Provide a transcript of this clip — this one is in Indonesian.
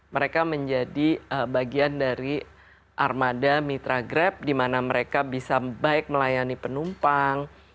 mereka menjadi bagian dari armada mitra grab di mana mereka bisa baik melayani penumpang